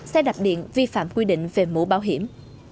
xe đạp điện vi phạm quy định về mũ bảo hiểm